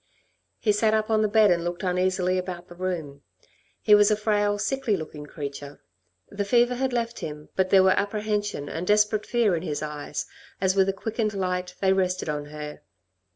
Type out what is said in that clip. He sat up on the bed and looked uneasily about the room. He was a frail, sickly looking creature. The fever had left him, but there were apprehension and desperate fear in his eyes, as with a quickened light they rested on her.